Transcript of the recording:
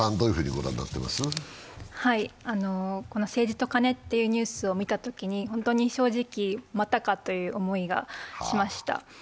政治とカネというニュースを見たときに、正直、またかという思いがしました